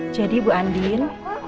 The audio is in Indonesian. jadi bu andin